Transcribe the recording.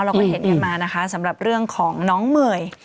เราก็เห็นกันมานะคะสำหรับเรื่องของน้องเมย์